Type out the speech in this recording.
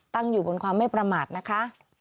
ตั้งอยู่บนความไม่ประมาทนะคะ